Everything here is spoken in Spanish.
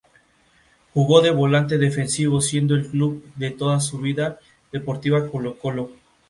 Jugó de volante defensivo, siendo el club de toda su vida deportiva Colo-Colo.